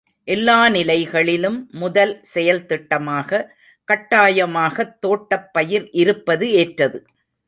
எல்லா நிலைகளிலும் முதல் செயல் திட்டமாக, கட்டாயமாகத் தோட்டப் பயிர் இருப்பது ஏற்றது.